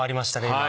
今。